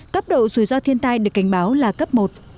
cấp độ dù do thiên tai được cảnh báo là cấp một